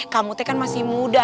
kamu kan masih muda